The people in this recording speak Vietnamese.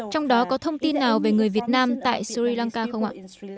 trong đó có thông tin nào về người việt nam tại sri lanka không ạ